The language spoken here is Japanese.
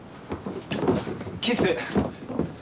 キス。